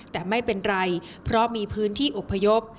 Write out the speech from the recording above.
แต่ไม่เป็นไรเพราะมีพื้นที่อบพยพ